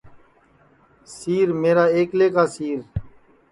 سِیر میرا ایکلے کا سِیر